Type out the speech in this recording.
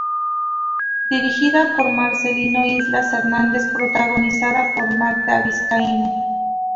Dirigida por Marcelino Islas Hernández, protagonizada por Magda Vizcaíno.